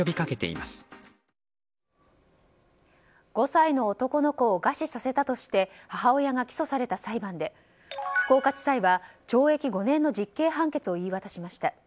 ５歳の男の子を餓死させたとして母親が起訴された裁判で福岡地裁は懲役５年の実刑判決を言い渡しました。